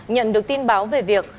nhận được tin báo về việc